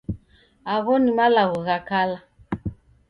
Agho ni malagho gha kala.